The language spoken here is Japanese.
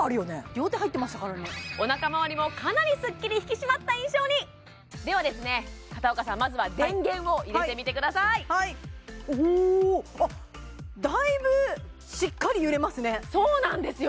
両手入ってましたからねおなかまわりもかなりではですね片岡さんまずは電源を入れてみてくださいはいおお！あっだいぶしっかり揺れますねそうなんですよ